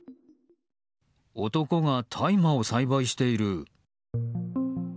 男が大麻を栽培している。